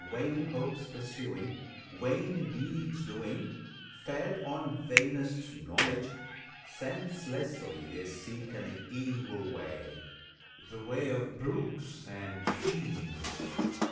Vain hopes pursuing, vain deeds doing; fed On vainest knowledge, senselessly they seek An evil way, the way of brutes and fiends.